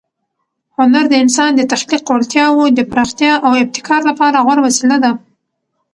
هنر د انسان د تخلیق وړتیاوو د پراختیا او ابتکار لپاره غوره وسیله ده.